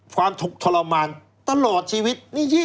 ถกทรมานตลอดชีวิต